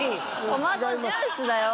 トマトジュースだよ。